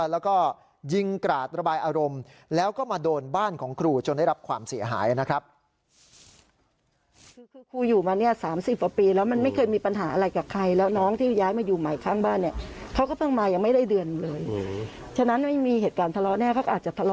แล้วก็ยิงกราดระบายอารมณ์แล้วก็มาโดนบ้านของครูจนได้รับความเสียหายนะครับ